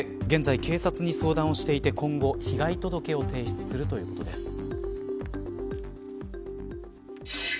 現在、警察に相談をしていて今後、被害届を提出するということです。